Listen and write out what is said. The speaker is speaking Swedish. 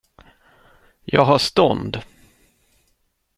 Jag har stånd.